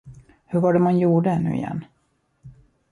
Hur var det man gjorde, nu igen?